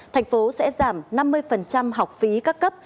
thành phố sẽ giảm năm mươi học phí các cấp